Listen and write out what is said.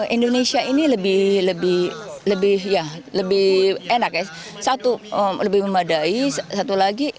indonesia ini lebih enak lebih memadai